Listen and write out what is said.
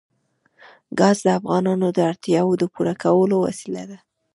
ګاز د افغانانو د اړتیاوو د پوره کولو وسیله ده.